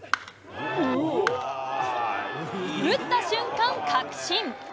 打った瞬間、確信。